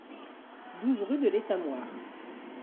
douze rue de l'Etamoire